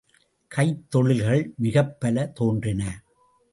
கைத்தொழில்கள் மிகப் பல தோன்றின.